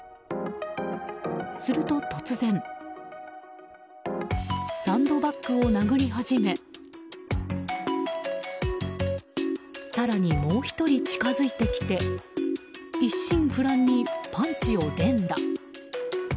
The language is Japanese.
すると突然サンドバッグを殴り始め更にもう１人近づいてきて一心不乱にパンチを連打。